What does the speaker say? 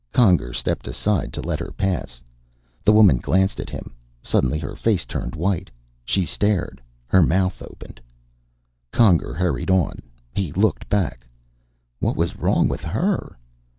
Conger stepped aside to let her pass. The woman glanced at him. Suddenly her face turned white. She stared, her mouth open. Conger hurried on. He looked back. What was wrong with her?